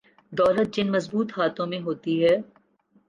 دولت جن مضبوط ہاتھوں میں ہوتی ہے۔